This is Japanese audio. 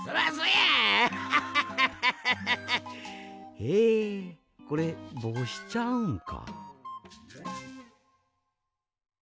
えこれぼうしちゃうんか。